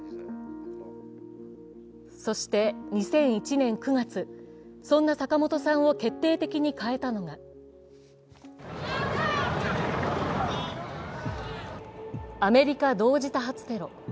そして２００１年９月、そんな坂本さんを決定的に変えたのがアメリカ同時多発テロ。